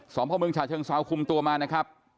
พ่อเมืองฉะเชิงเซาคุมตัวมานะครับ